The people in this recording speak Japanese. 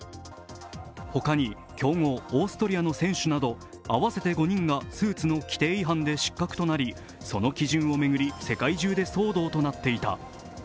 他に、強豪オーストリアの選手など合わせて５人がスーツの規定違反で失格となり、その基準を巡り、世界中で騒動となっていた。